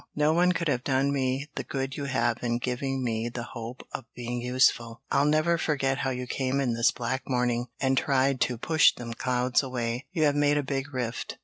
No one could have done me the good you have in giving me the hope of being useful. I'll never forget how you came in this black morning and tried to 'push dem clouds away' you have made a big rift.